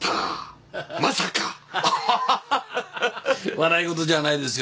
笑い事じゃないですよ。